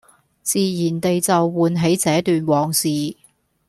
自然地就喚起這段往事